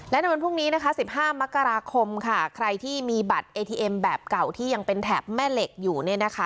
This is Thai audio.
และในวันพรุ่งนี้นะคะ๑๕มกราคมค่ะใครที่มีบัตรเอทีเอ็มแบบเก่าที่ยังเป็นแถบแม่เหล็กอยู่เนี่ยนะคะ